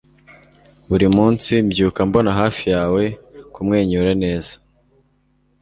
buri munsi mbyuka mbona hafi yawe kumwenyura neza